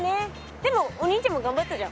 でもお兄ちゃんもがんばったじゃん。